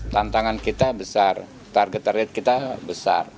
tantangan kita besar target target kita besar